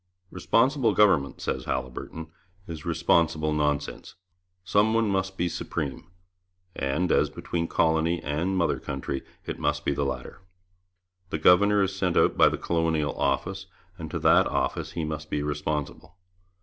'Responsible Government,' says Haliburton, 'is responsible nonsense.' Some one must be supreme, and as between colony and mother country, it must be the latter. The governor is sent out by the Colonial Office, and to that office he must be responsible.